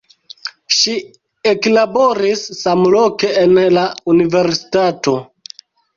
Ŝi eklaboris samloke en la universitato.